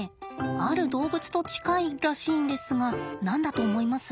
ある動物と近いらしいんですが何だと思います？